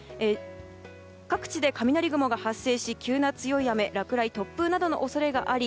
各地で雷雲が発生し急な強い雨落雷、突風などの恐れがあり